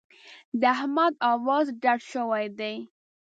د احمد اواز ډډ شوی دی.